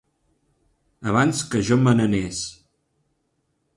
Abans que jo me n'anés.